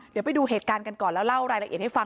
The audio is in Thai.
เดี๋ยวไปดูเหตุการณ์กันก่อนแล้วเล่ารายละเอียดให้ฟัง